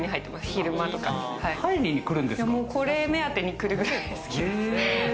昼間とかこれ目当てに来るぐらい好きです。